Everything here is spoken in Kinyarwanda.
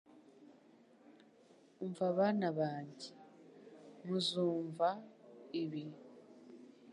"Umva bana banjye, muzumva" ibi